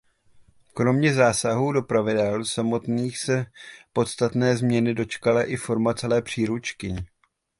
Kromě zásahů do pravidel samotných se podstatné změny dočkala i forma celé příručky.